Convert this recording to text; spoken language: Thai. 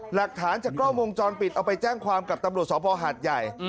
หลักฐานจากกล้องวงจรปิดเอาไปแจ้งความกับตำรวจสภหาดใหญ่